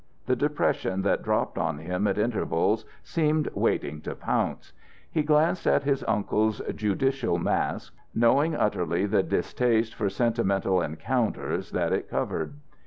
The depression that dropped on him at intervals seemed waiting to pounce. He glanced at his uncle's judicial mask, knowing utterly the distaste for sentimental encounters that it covered.